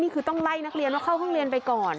นี่คือต้องไล่นักเรียนเข้าพลังเรียนไปก่อน